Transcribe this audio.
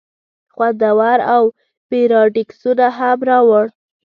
خوندور اوپيراډیسکونه هم راوړه.